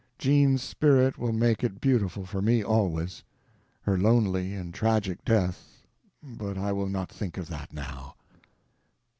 Jean's spirit will make it beautiful for me always. Her lonely and tragic death—but I will not think of that now.